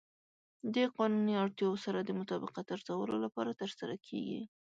د قانوني اړتیاوو سره د مطابقت ارزولو لپاره ترسره کیږي.